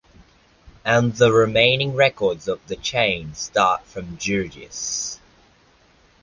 And the remaining records of the chain start from Jurjis.